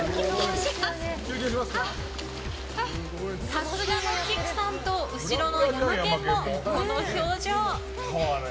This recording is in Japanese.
さすがのきくさんと後ろのヤマケンもこの表情。